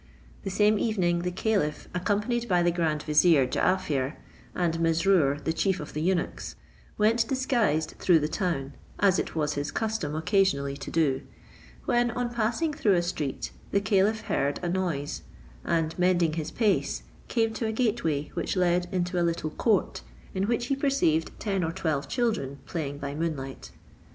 That same evening, the caliph, accompanied by the grand vizier Jaaffier, and Mesrour the chief of the eunuchs, went disguised through the town, as it was his custom occasionally to do; when, on passing through a street, the caliph heard a noise, and mending his pace, came to a gateway, which led into a little court, in which he perceived ten or twelve children playing by moonlight.